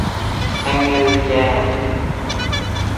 آنگیِل کأن